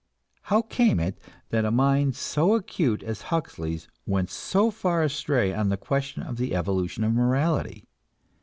How came it that a mind so acute as Huxley's went so far astray on the question of the evolution of morality?